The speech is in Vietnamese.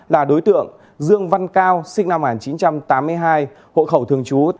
là đối tượng dương văn cao sinh năm một nghìn chín trăm tám mươi hai hộ khẩu thường trú